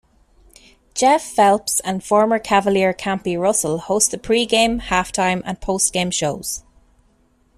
Jeff Phelps and former Cavalier Campy Russell host the pregame, halftime, and postgame shows.